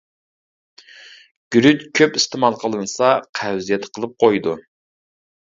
گۈرۈچ كۆپ ئىستېمال قىلىنسا، قەۋزىيەت قىلىپ قويىدۇ.